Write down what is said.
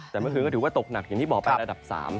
แต่เมื่อคืนก็ถือว่าตกหนักอย่างที่บอกไประดับ๓